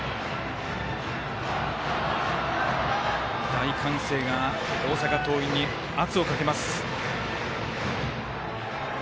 大歓声が大阪桐蔭に圧をかけます。